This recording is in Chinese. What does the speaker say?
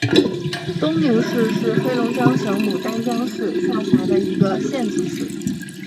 东宁市是黑龙江省牡丹江市下辖的一个县级市。